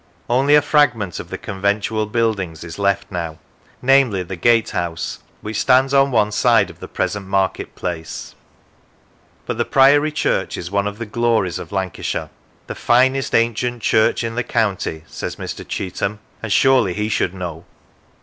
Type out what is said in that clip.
Only a fragment of the conventual buildings is left now namely, the gatehouse which stands on one side of the present market place; but the Priory church is one of the glories of Lancashire. " The finest ancient church in the county," says Mr. Cheetham, and surely he should know.